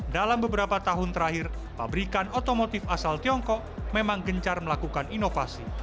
dalam beberapa tahun terakhir pabrikan otomotif asal tiongkok memang gencar melakukan inovasi